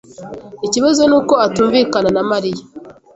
Ikibazo nuko atumvikana na Mariya.